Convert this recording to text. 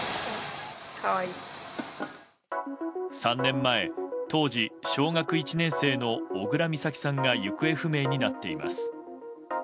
３年前、当時小学１年生の小倉美咲さんが行方不明になっています。